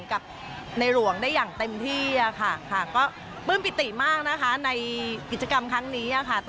อยากจะทำกิจกรรมดีแบบนี้อย่างไรบ้างคะ